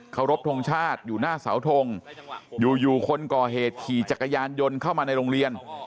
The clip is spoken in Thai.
เขารบทรงชาติอยู่หน้าเสาทงอยู่คนก่อเหตุขี่จักรยานยนต์เข้ามาในโรงเรียน